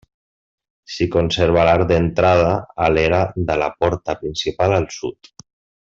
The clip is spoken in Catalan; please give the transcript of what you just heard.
S'hi conserva l'arc d'entrada a l'era de la porta principal al sud.